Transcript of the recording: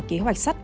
kế hoạch sắt